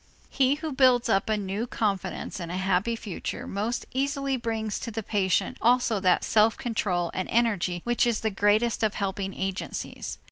He who builds up a new confidence in a happy future most easily brings to the patient also that self control and energy which is the greatest of helping agencies.